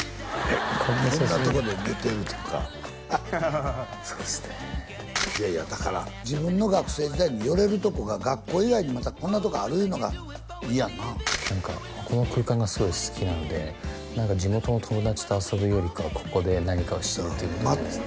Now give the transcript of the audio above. こんな写真がこんなとこで寝てるとかそうですねいやいやだから自分の学生時代に寄れるとこが学校以外にまたこんなとこあるいうのがいいやんな何かこの空間がすごい好きなので地元の友達と遊ぶよりかはここで何かをしてるということが多いですね